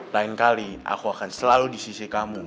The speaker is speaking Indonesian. lain kali aku akan selalu di sisi kamu